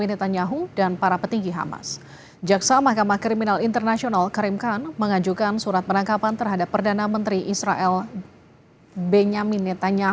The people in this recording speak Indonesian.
netanyahu juga menuduh jaksa mahkamah kriminal internasional karim khan telah mengeluarkan fakta palsu serta mencemarkan nama baiknya